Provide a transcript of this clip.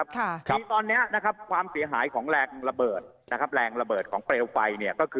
ยังมีตอนนี้เรือหายแรงระเบิดของเปรียวไฟ